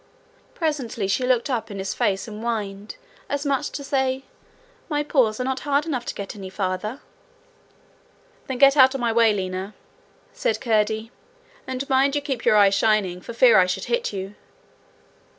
Presently she looked up in his face and whined, as much as to say, 'My paws are not hard enough to get any farther.' 'Then get out of my way, Lina,' said Curdie, and mind you keep your eyes shining, for fear I should hit you.'